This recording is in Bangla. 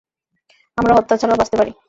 আমরা হত্যা ছাড়াও বাঁচতে পারি।